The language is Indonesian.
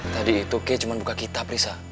tadi itu kek cuma buka kitab risa